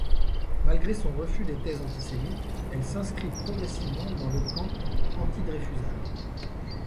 Malgré son refus des thèses antisémites, elle s'inscrit progressivement dans le camp antidreyfusard.